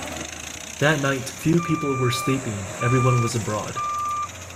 That night few people were sleeping, everyone was abroad.